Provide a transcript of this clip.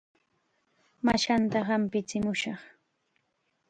Mashaatam hampichimushaq.